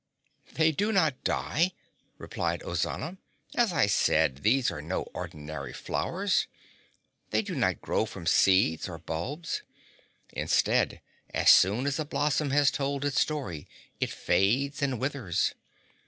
"They do not die," replied Ozana. "As I said, these are no ordinary flowers. They do not grow from seeds or bulbs. Instead, as soon as a blossom has told its story it fades and withers.